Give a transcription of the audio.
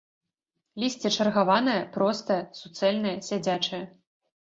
Лісце чаргаванае, простае, суцэльнае, сядзячае.